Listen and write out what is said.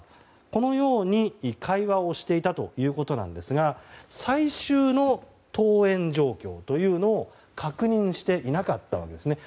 このように会話をしていたということなんですが最終の登園状況というのを確認していなかったわけですね。